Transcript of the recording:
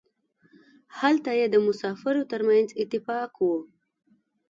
هلته یې د مسافرو ترمنځ اتفاق و.